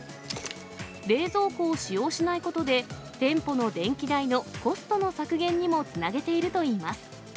冷蔵庫を使用しないことで、店舗の電気代のコストの削減にもつなげているといいます。